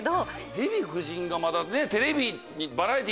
デヴィ夫人がまだテレビ。